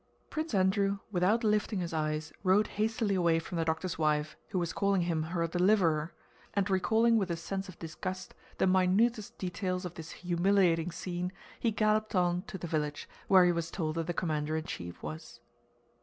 Prince Andrew without lifting his eyes rode hastily away from the doctor's wife, who was calling him her deliverer, and recalling with a sense of disgust the minutest details of this humiliating scene he galloped on to the village where he was told who the commander in chief was.